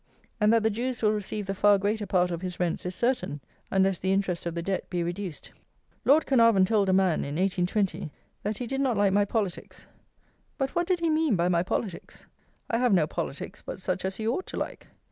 And that the Jews will receive the far greater part of his rents is certain, unless the interest of the Debt be reduced. LORD CAERNARVON told a man, in 1820, that he did not like my politics. But what did he mean by my politics? I have no politics but such as he ought to like.